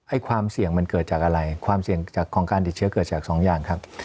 ความเสี่ยงมันเกิดจากอะไรความเสี่ยงจากของการติดเชื้อเกิดจากสองอย่างครับ